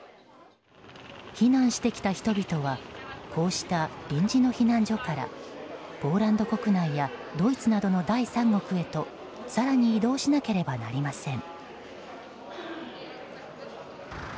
避難してきた人々はこうした臨時の避難所からポーランド国内やドイツなどの第三国へと更に移動しなければなりません。